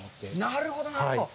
なるほど、なるほど。